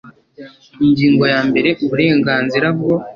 Ingingo ya mbere uburenganzira bwo